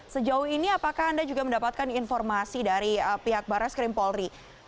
sejauh ini apakah anda juga mendapatkan informasi dari pihak barres krim polri